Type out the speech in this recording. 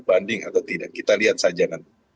banding atau tidak kita lihat saja nanti